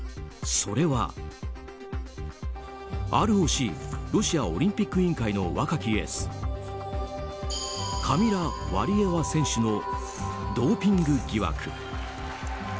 それは、ＲＯＣ・ロシアオリンピック委員会の若きエースカミラ・ワリエワ選手のドーピング疑惑。